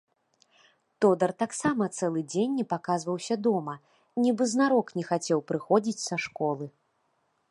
Тодар таксама цэлы дзень не паказваўся дома, нібы знарок не хацеў прыходзіць са школы.